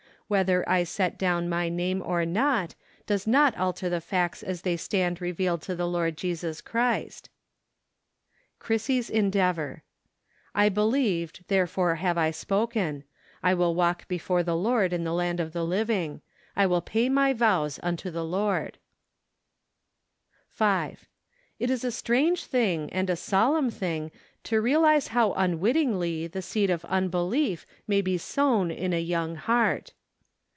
Whether I set down my name, or not, does not alter the facts as they stand revealed to the Lord Jesus Christ." Chrissy's Endeavor. " I believed, therefore have I spoken ; T will walk before the Lord in the land of the living. I will pay my vows unto the Lord" 112 OCTOBER. 5. It is a strange thing, and a solemn thing to realize how unwittingly the seed of unbelief may be sown in a young heart.